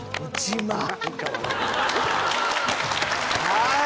はい。